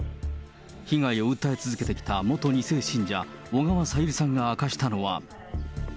被害を訴え続けてきた元２世信者、小川さゆりさんが明かしたのは。